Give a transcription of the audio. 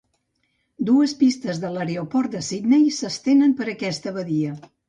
Dues pistes de l'aeroport de Sydney s'estenen per aquesta badia.